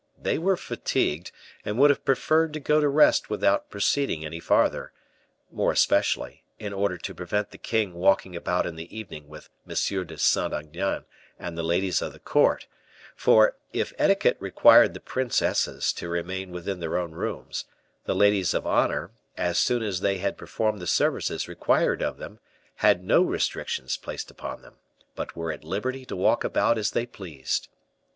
They were fatigued, and would have preferred to go to rest without proceeding any farther; more especially, in order to prevent the king walking about in the evening with M. de Saint Aignan and the ladies of the court, for, if etiquette required the princesses to remain within their own rooms, the ladies of honor, as soon as they had performed the services required of them, had no restrictions placed upon them, but were at liberty to walk about as they pleased.